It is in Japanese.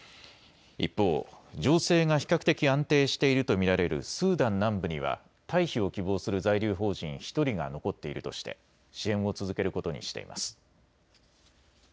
一方、情勢が比較的安定していると見られるスーダン南部には退避を希望する在留邦人１人が残っているとして支援を続けることにしています。